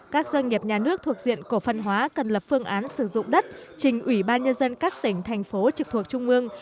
các doanh nghiệp nhà nước thuộc diện cổ phân hóa cần lập phương án sử dụng đất trình ủy ban nhân dân các tỉnh thành phố trực thuộc trung ương